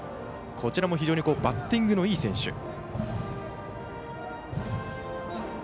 こちらも非常にバッティングのいい選手。